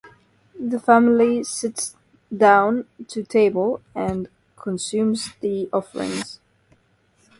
The family sits down to table and consumes the offerings.